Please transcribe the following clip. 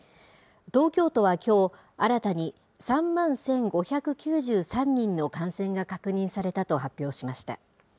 東京都はきょう、新たに３万１５９３人の感染が確認されたと発表しました。